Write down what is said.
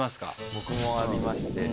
僕もありまして。